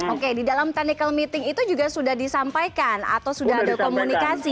oke di dalam technical meeting itu juga sudah disampaikan atau sudah ada komunikasi